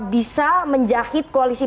bisa menjahit koalisi